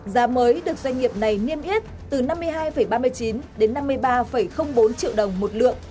giá mới được doanh nghiệp này niêm yết từ năm mươi hai ba mươi chín đến năm mươi ba bốn triệu đồng một lượng